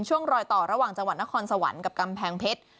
ช่วงรอยต่อระหว่างจังหวัดนครสวรรค์กับกำแพงเพชร